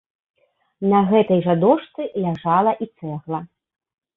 На гэтай жа дошцы ляжала і цэгла.